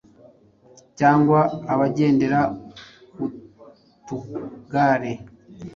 cyangwa abagendera ku tugare,